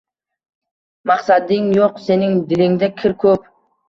Maqsading yo’q sening… Dilingda kir ko’p —